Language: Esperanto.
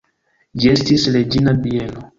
Ĝi estis reĝina bieno.